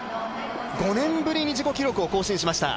５年ぶりに自己記録を更新しました。